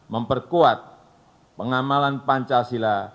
memperkuat pengamalan pancasila